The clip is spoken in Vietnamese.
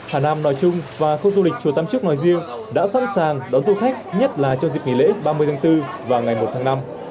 hà nam nòi trung và khu du lịch chùa tam súc nòi diêu đã sẵn sàng đón du khách nhất là cho dịp nghỉ lễ ba mươi tháng bốn và ngày một tháng năm